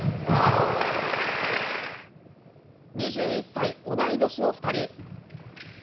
２１歳、同い年の２人。